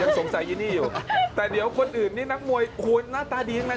ยังสงสัยยินี่อยู่แต่เดี๋ยวคนอื่นนี้นักมวยหูยหน้าตาดีอย่างไร